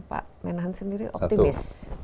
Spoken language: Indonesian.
pak menahan sendiri optimis